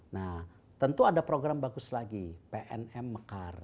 nah tentu ada program bagus lagi pnm mekar